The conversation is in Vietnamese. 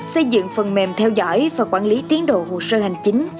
xây dựng phần mềm theo dõi và quản lý tiến độ hồ sơ hành chính